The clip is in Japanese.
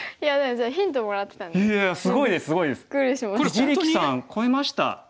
一力さん超えました。